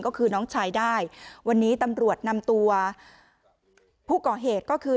ก็คือน้องชายได้วันนี้ตำรวจนำตัวผู้ก่อเหตุก็คือ